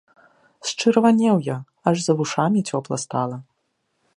Счырванеў я, аж за вушамі цёпла стала.